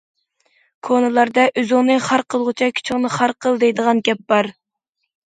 كونىلاردا‹‹ ئۆزۈڭنى خار قىلغۇچە، كۈچۈڭنى خار قىل›› دەيدىغان گەپ بار.